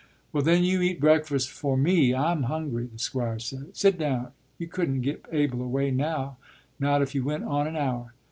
” “Well, then, you eat breakfast for me; I'm hungry,” the Squire said. “Sit down! You couldn't get Abel away now, not if you went on an hour.